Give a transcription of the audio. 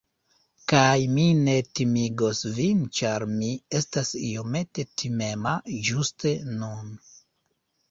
Kaj mi ne timigos vin ĉar mi estas iomete timema ĝuste nun.